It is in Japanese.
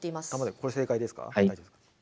これ正解ですか？